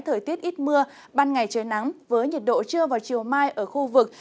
thời tiết ít mưa ban ngày trời nắng với nhiệt độ trưa vào chiều mai ở khu vực